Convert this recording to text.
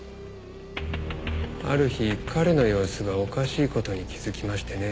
ある日彼の様子がおかしい事に気づきましてね。